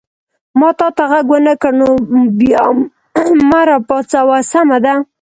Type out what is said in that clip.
ما تا ته غږ ونه کړ نو بیا ما را پاڅوه، سمه ده؟